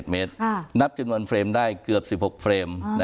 เมตรนับจนวันเฟรมได้เกือบ๑๖เฟรม